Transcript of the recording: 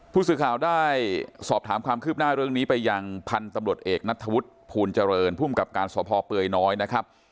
ผู้สื่อข่าวได้สอบถามความคืบหน้าเรื่องนี้ไปยังพันธุ์ตำรวจเอกนัทธวุฒิภูลเจริญภูมิกับการสพเปื่อยน้อยนะครับ